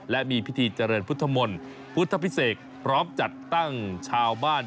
และมีพิธีเจริญพุทธมนต์พุทธพิเศษพร้อมจัดตั้งชาวบ้าน